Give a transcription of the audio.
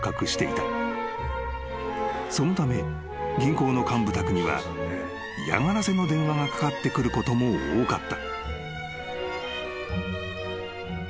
［そのため銀行の幹部宅には嫌がらせの電話がかかってくることも多かった］